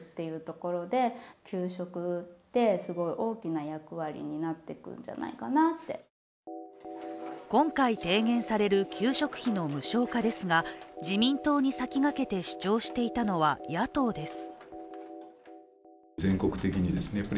無償化について支援団体は今回、提言される給食費の無償化ですが自民党に先駆けて主張していたのは野党です。